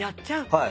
はい。